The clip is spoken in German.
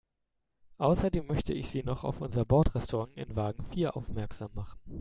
Außerdem möchte ich Sie noch auf unser Bordrestaurant in Wagen vier aufmerksam machen.